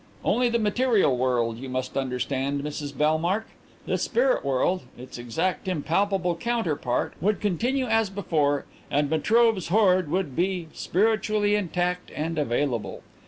"Only the material world, you must understand, Mrs Bellmark. The spirit world, its exact impalpable counterpart, would continue as before and Metrobe's hoard would be spiritually intact and available.